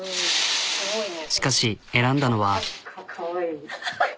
しかし選んだのは。